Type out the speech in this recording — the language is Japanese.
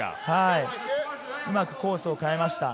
うまくコースを変えました。